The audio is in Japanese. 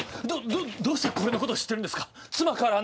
どどうしてこれのこと知ってるんですか？